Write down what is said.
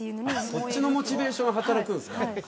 そっちのモチベーションが働くんですか。